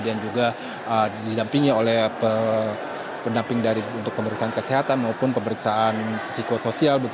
dan juga didampingi oleh pendamping dari untuk pemeriksaan kesehatan maupun pemeriksaan psikosoial